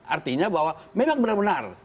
artinya bahwa memang benar benar